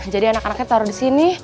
jadi anak anaknya taruh disini